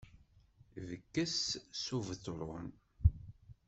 Bges s ubetṛun.